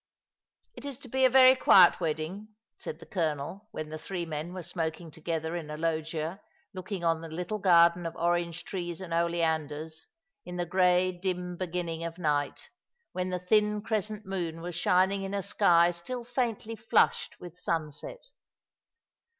f *' It is to be a very quiet wedding," said the colonel, when the three men were smoking together in a loggia, looking on the little garden of orange trees and oleanders, in the grey dim beginning of night, when the thin crescent moon was shining in a sky still faintly flushed with sunset.